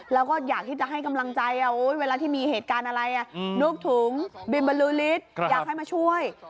แล้วก็อยากที่จะให้กำลังใจเวลาที่มีเหตุการณ์อะไรลูกถุงบินบรรลือฤทธิ์อยากให้มาช่วย